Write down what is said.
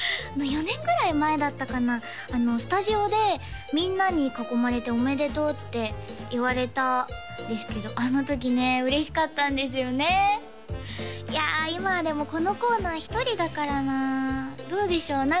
４年ぐらい前だったかなスタジオでみんなに囲まれて「おめでとう」って言われたんですけどあのときね嬉しかったんですよねいや今はでもこのコーナー１人だからなどうでしょう？